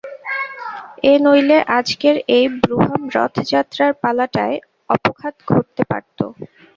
এ নইলে আজকের এই ব্রুহাম-রথযাত্রার পালাটায় অপঘাত ঘটতে পারত।